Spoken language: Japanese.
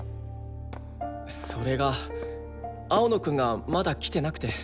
それが青野くんがまだ来てなくて。